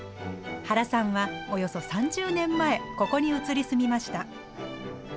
原さんは、およそ３０年前ここに移り住みました。